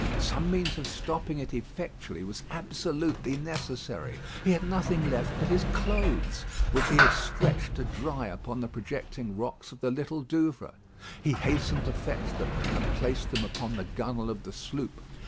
Some means of stopping it effectually was absolutely necessary. He had nothing left but his clothes, which he had stretched to dry upon the projecting rocks of the Little Douvre. He hastened to fetch them, and placed them upon the gunwale of the sloop.